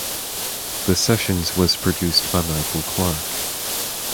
The sessions was produced by Michael Clark.